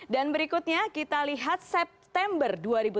dan berikutnya kita lihat september dua ribu tujuh belas